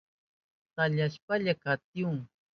Tamyashpalla katihun.